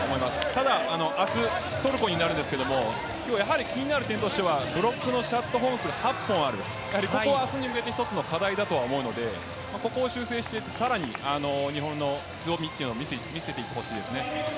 ただ、明日トルコになりますがやはり気になる点はブロックのシャット本数が８本あって、ここが明日に向けて１つの課題だと思うので修正して、更に日本の強みを見せていってほしいです。